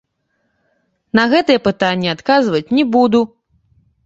На гэтыя пытанні адказваць не буду.